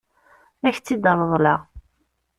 Ad k-tt-id-reḍleɣ.